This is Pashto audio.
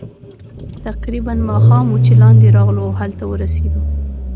تقریباً ماښام وو چې لاندې راغلو، او هلته ورسېدو.